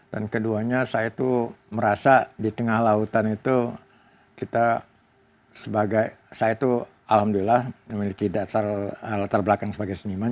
dan keduanya saya itu merasa di tengah lautan itu kita sebagai saya itu alhamdulillah memiliki dasar latar belakang sebagai seniman